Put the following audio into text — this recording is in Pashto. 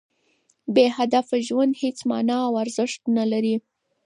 بې هدفه ژوند هېڅ مانا او ارزښت نه لري.